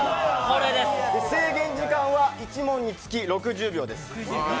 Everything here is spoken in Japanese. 制限時間は１問につき６０秒です。